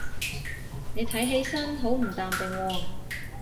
你睇起身好唔淡定喎